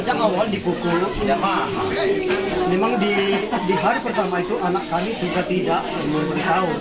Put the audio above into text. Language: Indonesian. sejak awal dipukul memang di hari pertama itu anak kami juga tidak memberitahu